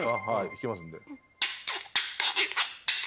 弾きますんで。